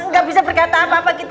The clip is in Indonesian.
nggak bisa berkata apa apa gitu